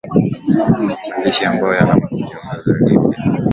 majeshi ambayo yanamtii kiongozi wa libya kanali muammar gaddafi